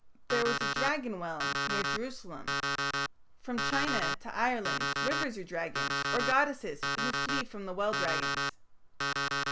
There was a "dragon well" near Jerusalem. From China to Ireland rivers are dragons, or goddesses who flee from the well dragons.